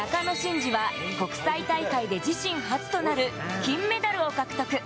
詞は国際大会で自身初となる金メダルを獲得。